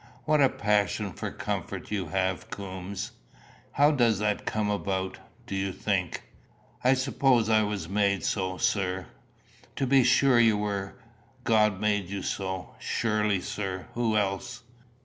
"What a passion for comfort you have, Coombes! How does that come about, do you think?" "I suppose I was made so, sir." "To be sure you were. God made you so." "Surely, sir. Who else?"